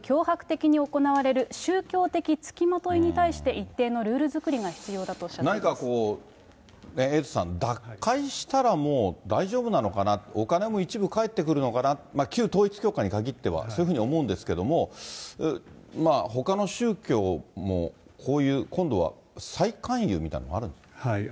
しつこく脅迫的に行われる宗教的付きまといに対して一定のルール何かこう、エイトさん、脱会したらもう大丈夫なのかなって、お金も一部返ってくるのかなって、旧統一教会に限ってはそういうふうに思うんですけど、ほかの宗教もこういう、今度は再勧誘みたいなのがあるんですか？